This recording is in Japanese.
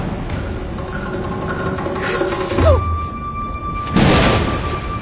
くっそ！